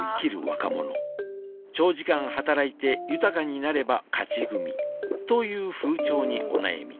長時間働いて豊かになれば勝ち組という風潮にお悩み